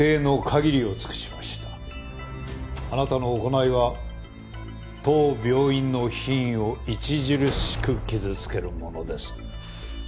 あなたの行いは当病院の品位を著しく傷つけるものです。